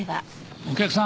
お客さん